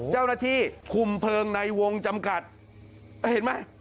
เจ้าหน้าที่คุมเพลิงในวงจำกัดเห็นไหม